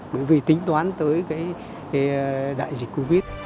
bởi vì tính toán tới cái đại dịch covid